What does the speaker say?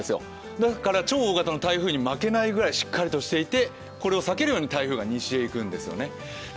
だから超大型の台風に負けないぐらいしっかりとしていてこれを避けるように台風が西へ行くんですよね。